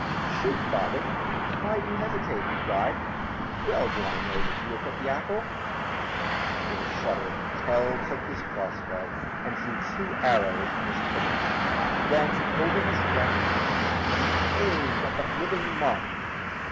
"Shoot, father, why do you hesitate?" he cried. "Well do I know that you will hit the apple." With a shudder Tell took his crossbow and drew two arrows from his quiver. Then holding his breath he aimed at the living mark.